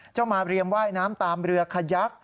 เจ้าหมาเบรียมไหว้น้ำตามเรือขยัก